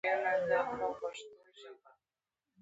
انډریو کارنګي به شراکت ته را وبللای شې